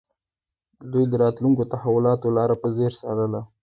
دوی د راتلونکو تحولاتو لاره په ځیر څارله